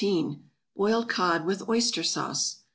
=Boiled Cod with Oyster Sauce.